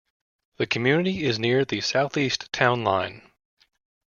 The community is near the southeast town line.